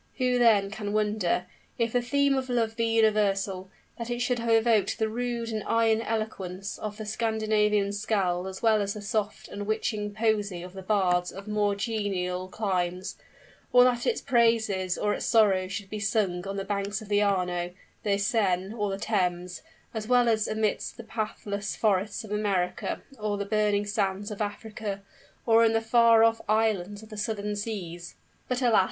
Who, then, can wonder if the theme of Love be universal that it should have evoked the rude and iron eloquence of the Scandinavian Scald as well as the soft and witching poesy of the bards of more genial climes, or that its praises or its sorrows should be sung on the banks of the Arno, the Seine, or the Thames, as well as amidst the pathless forests of America, or the burning sands of Africa, or in the far off islands of the Southern Seas. But, alas!